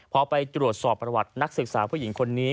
พอไปตรวจสอบประวัตินักศึกษาผู้หญิงคนนี้